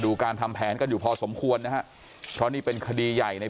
การทำแผนกันอยู่พอสมควรนะฮะเพราะนี่เป็นคดีใหญ่ใน